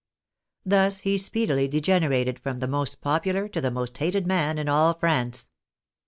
Thus he speedily degenerated from the most popular to the most hated man in all France.